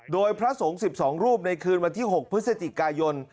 โดยพระสงฆ์๑๒รูปในคืนวันที่๖พฤศจิกายน